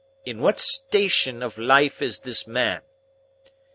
In what station of life is this man?"